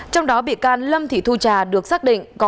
trong đó bị can lâm thị thu trà được xác định